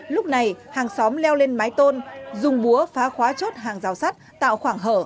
lúc này hàng xóm leo lên mái tôn dùng búa phá khóa chốt hàng rào sắt tạo khoảng hở